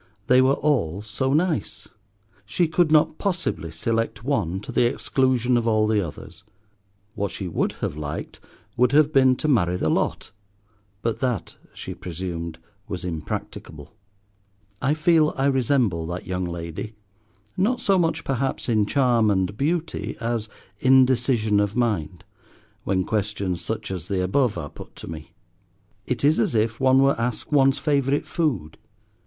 They were all so nice. She could not possibly select one to the exclusion of all the others. What she would have liked would have been to marry the lot, but that, she presumed, was impracticable. I feel I resemble that young lady, not so much, perhaps, in charm and beauty as indecision of mind, when questions such as the above are put to me. It is as if one were asked one's favourite food.